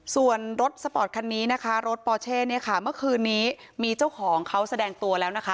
ส่วนรถสปอร์ตคันนี้นะคะรถปอเช่เนี่ยค่ะเมื่อคืนนี้มีเจ้าของเขาแสดงตัวแล้วนะคะ